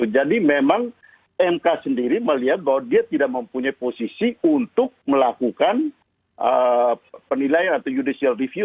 jadi memang mk sendiri melihat bahwa dia tidak mempunyai posisi untuk melakukan penilaian atau judicial review